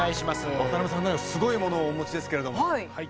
渡辺さんねすごいものをお持ちですけれども。